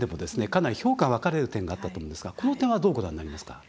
かなり評価、分かれる点があったと思うんですがこの点は、どうご覧になりますか。